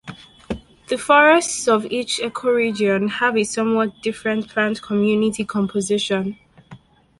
The forests of each ecoregion have a somewhat different plant community composition.